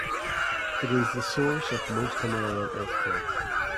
It is the source of most of Himalayan earthquakes.